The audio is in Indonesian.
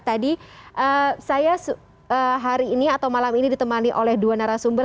tadi saya hari ini atau malam ini ditemani oleh dua narasumber